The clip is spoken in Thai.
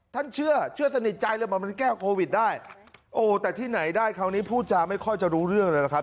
ท่านเชื่อสนิทใจเลยบอกมันแก้โควิดได้โอ้แต่ที่ไหนได้คราวนี้พูดจาไม่ค่อยจะรู้เรื่องเลยนะครับ